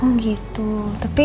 oh gitu tapi